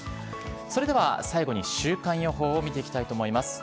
それでは最後に週間予報を見ていきたいと思います。